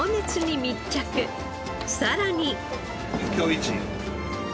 さらに。